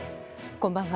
こんばんは。